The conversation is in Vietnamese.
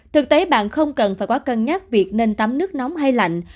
thực tế bạn không cần phải có cân nhắc việc nên tắm nước nóng hay lạnh